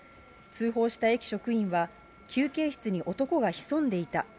通報した駅職員は、休憩室に男が潜んでいた。